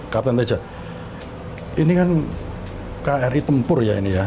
kapten teja ini kan kri tempur ya ini ya